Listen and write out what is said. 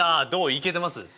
いけてます？